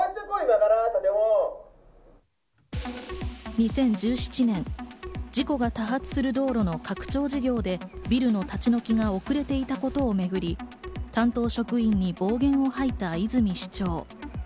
２０１７年、事故が多発する道路の拡張事業で、ビルの立ち退きが遅れていたことをめぐり、担当職員に暴言を吐いた泉市長。